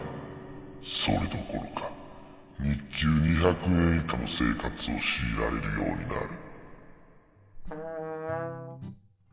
それどころか日給２００円以下の生活を強いられるようになる。